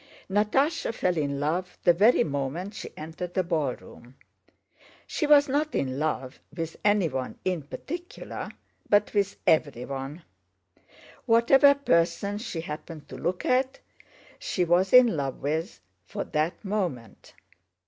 Natásha fell in love the very moment she entered the ballroom. She was not in love with anyone in particular, but with everyone. Whatever person she happened to look at she was in love with for that moment.